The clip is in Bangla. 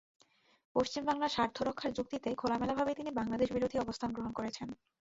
পশ্চিম বাংলার স্বার্থ রক্ষার যুক্তিতে খোলামেলাভাবেই তিনি বাংলাদেশবিরোধী অবস্থান গ্রহণ করেছেন।